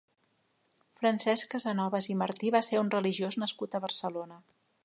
Francesc Casanovas i Martí va ser un religiós nascut a Barcelona.